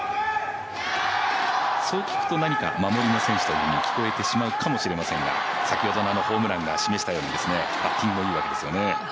そう聞くと何か守りの選手とも聞こえてしまうかもしれませんが先ほどのホームランが示したようにバッティングもいいわけですよね。